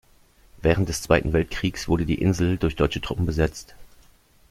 Während des Zweiten Weltkriegs wurde die Insel durch deutsche Truppen besetzt.